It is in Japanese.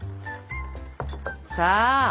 さあ！